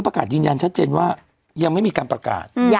ประกาศยืนยันชัดเจนว่ายังไม่มีการประกาศ